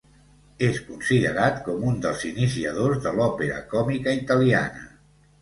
És considerat com un dels iniciadors de l'òpera còmica italiana.